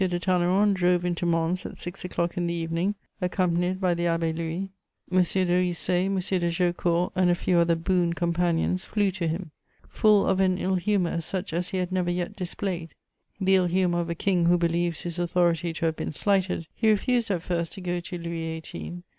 de Talleyrand drove into Mons at six o'clock in the evening, accompanied by the Abbé Louis: M. de Ricé, M. de Jaucourt and a few other boon companions flew to him. Full of an ill humour such as he had never yet displayed, the ill humour of a king who believes his authority to have been slighted, he refused at first to go to Louis XVIII.